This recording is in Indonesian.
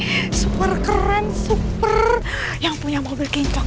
oh kantang super wangi super keren super yang punya mobil kencang